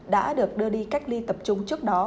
đã được đưa đi cách ly tập trung trước đó